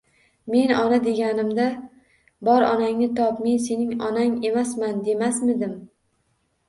Menga ona deganingda, bor onangni top, men sening onang emasman demasmidim?